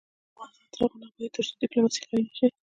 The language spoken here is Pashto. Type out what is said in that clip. افغانستان تر هغو نه ابادیږي، ترڅو ډیپلوماسي قوي نشي.